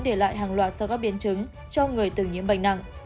để lại hàng loạt sau các biến chứng cho người từng nhiễm bệnh nặng